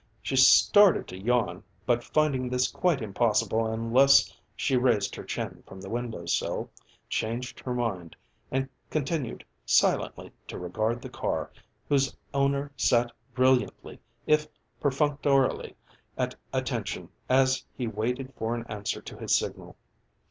She started to yawn, but finding this quite impossible unless she raised her chin from the window sill, changed her mind and continued silently to regard the car, whose owner sat brilliantly if perfunctorily at attention as he waited for an answer to his signal.